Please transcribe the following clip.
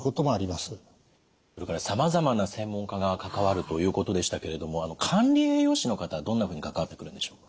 それからさまざまな専門家が関わるということでしたけれども管理栄養士の方はどんなふうに関わってくるんでしょう？